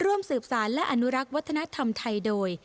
ร่วมสืบสารและอนุรักษ์วัฒนธรรมไทยโดย